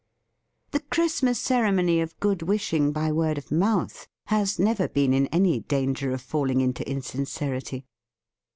The Christmas ceremony of good wishing by word of mouth has never been in any danger of falling into in sincerity.